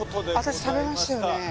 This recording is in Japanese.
私食べましたよね